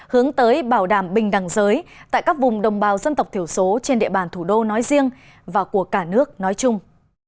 hướng tới bảo đảm bình đẳng giới tại các vùng đồng bào dân tộc thiểu số trên địa bàn thủ đô nói riêng và của cả nước nói chung